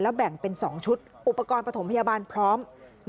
แบ่งเป็น๒ชุดอุปกรณ์ประถมพยาบาลพร้อม